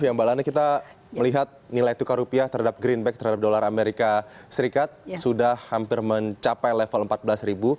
ya mbak lane kita melihat nilai tukar rupiah terhadap greenback terhadap dolar amerika serikat sudah hampir mencapai level empat belas ribu